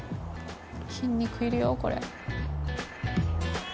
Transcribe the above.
筋肉いるよこれ。